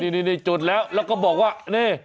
นี่จุดแล้วแล้วก็บอกว่านี่